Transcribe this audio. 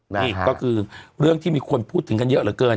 นี่ก็คือเรื่องที่มีคนพูดถึงกันเยอะเหลือเกิน